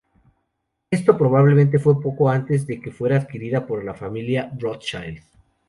Esto probablemente fue poco antes de que fuera adquirida por la familia Rothschild.